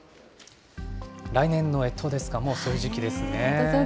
来年のえとですか、もうそういう時期ですね。